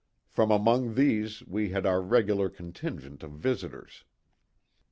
From among these we had our regular contingent of visitors.